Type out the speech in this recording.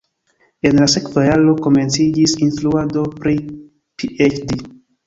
En la sekva jaro komenciĝis instruado pri PhD.